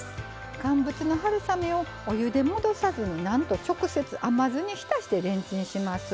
乾物の春雨をお湯で戻さずになんと直接甘酢に浸してレンチンします。